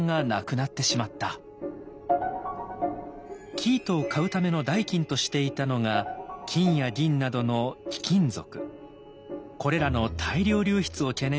生糸を買うための代金としていたのが金や銀などの貴金属。